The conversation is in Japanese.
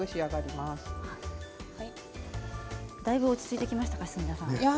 角田さん、だいぶ落ち着いてきましたか？